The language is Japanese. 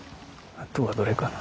あとはどれかな？